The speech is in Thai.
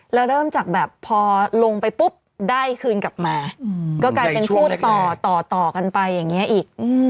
แล้วเริ่มจากแบบพอลงไปปุ๊บได้คืนกลับมาก็กลายเป็นพูดต่อต่อกันไปอย่างนี้อีก